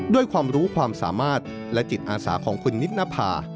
ด้วยความรู้ความสามารถและจิตอาสาของคุณนิตนภา